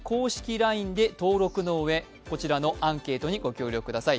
ＬＩＮＥで登録のうえこちらのアンケートにご協力ください。